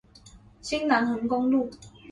新南橫公路